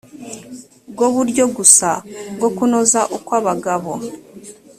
bwo buryo gusa bwo kunoza uko abagabo